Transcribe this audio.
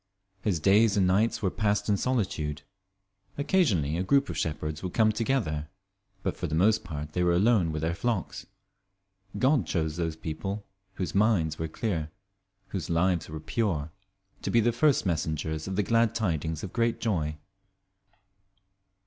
His days and nights were passed in solitude. Occasionally a group of shepherds would come together, but for the most part they were alone with their flocks. God chose these people, whose minds were clear, whose lives were pure, to be the first messengers of the glad tidings of great joy.